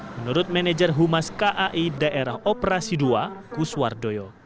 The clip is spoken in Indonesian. menurut manajer humas kai daerah operasi dua kuswardoyo